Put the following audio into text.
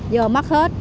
giờ mắc hết